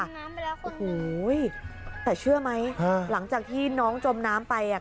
น้ำไปแล้วคุณโอ้โหแต่เชื่อไหมหลังจากที่น้องจมน้ำไปอ่ะ